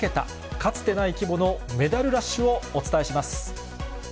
かつてない規模のメダルラッシュをお伝えします。